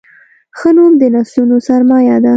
ښه نوم د نسلونو سرمایه ده.